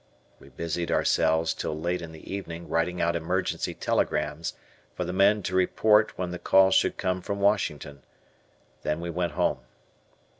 We busied ourselves till late in the evening writing out emergency telegrams for the men to report when the call should come from Washington. Then we went home.